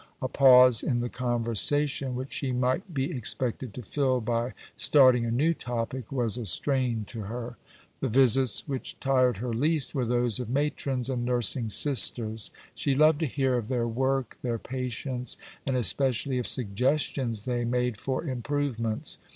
A pause in the conversation, which she might be expected to fill by starting a new topic, was a strain to her. The visits which tired her least were those of Matrons and nursing Sisters. She loved to hear of their work, their patients, and especially of suggestions they made for improvements.